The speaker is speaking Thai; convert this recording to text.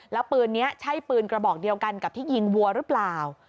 แล้วปืนนี้ใช่ปืนกระบอกเดียวกันกับที่ยิงวัวหรือเปล่า